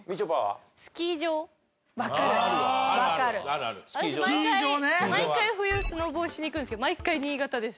私毎回冬スノボしに行くんですけど毎回新潟です。